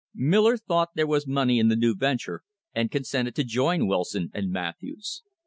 Miller thought there was money in the new venture, and consented to join Wilson and Matthews.